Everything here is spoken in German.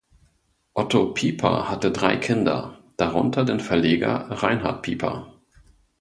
Otto Piper hatte drei Kinder, darunter den Verleger Reinhard Piper.